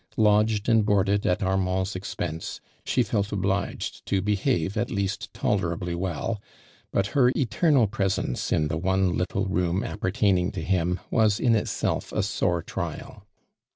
Lodged and boarded at Armand's expense, she felt obliged to behave at least tolerably well, but her eternal presence in the one little room appertaining to him was in itself a sore trial.